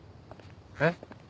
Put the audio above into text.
えっ？